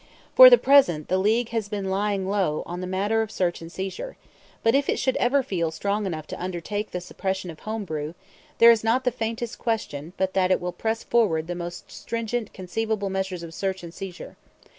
For the present, the League has been "lying low" in the matter of search and seizure; but if it should ever feel strong enough to undertake the suppression of home brew, there is not the faintest question but that it will press forward the most stringent conceivable measures of search and seizure.